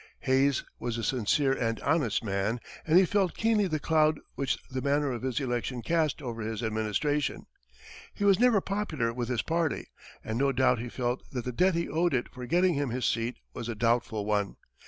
Hayes was a sincere and honest man, and he felt keenly the cloud which the manner of his election cast over his administration. He was never popular with his party, and no doubt he felt that the debt he owed it for getting him his seat was a doubtful one.